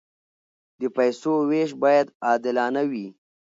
د پیسو وېش باید عادلانه وي.